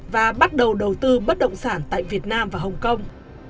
và bắt đầu đầu tư bất động sản tại việt nam và hồng kông